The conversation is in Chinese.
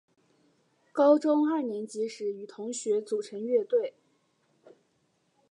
高中二年级时与同学组成乐队。